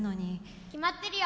決まってるよ。